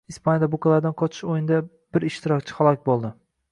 Ispaniyada buqalardan qochish o‘yinida bir ishtirokchi halok bo‘lding